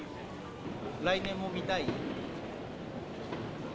来年も見たい？